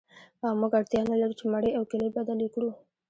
او موږ اړتیا نلرو چې مڼې او کیلې بدلې کړو